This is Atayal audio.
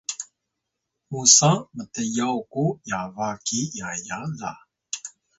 musa mtyaw ku yaba ki yaya la